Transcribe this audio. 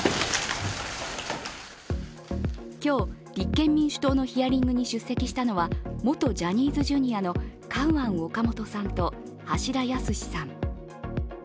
今日、立憲民主党のヒアリングに出席したのは元ジャニーズＪｒ．のカウアン・オカモトさんと橋田康さん。